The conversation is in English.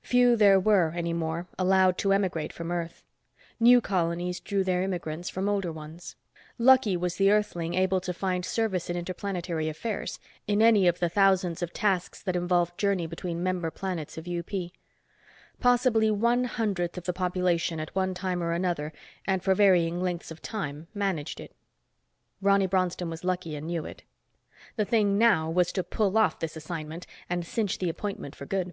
Few there were, any more, allowed to emigrate from Earth. New colonies drew their immigrants from older ones. Lucky was the Earthling able to find service in interplanetary affairs, in any of the thousands of tasks that involved journey between member planets of UP. Possibly one hundredth of the population at one time or another, and for varying lengths of time, managed it. Ronny Bronston was lucky and knew it. The thing now was to pull off this assignment and cinch the appointment for good.